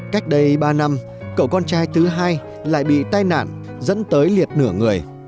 cách đây ba năm cậu con trai thứ hai lại bị tai nạn dẫn tới liệt nửa người